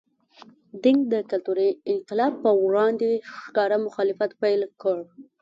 دینګ د کلتوري انقلاب پر وړاندې ښکاره مخالفت پیل کړ.